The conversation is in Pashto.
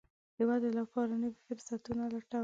د ودې لپاره نوي فرصتونه لټوي.